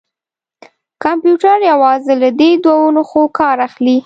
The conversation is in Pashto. کمپیوټر یوازې له دې دوو نښو کار اخلي.